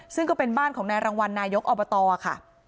ซึ่งก็เป็นบ้านของนายรางวัลนายกอบตค่ะ